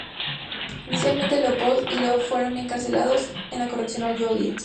Inicialmente, Leopold y Loeb fueron encarcelados en la Correccional Joliet.